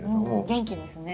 元気ですね。